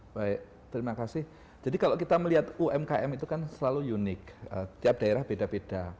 baik terima kasih jadi kalau kita melihat umkm itu kan selalu unik tiap daerah beda beda